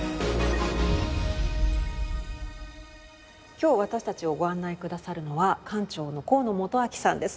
今日私たちをご案内くださるのは館長の河野元昭さんです。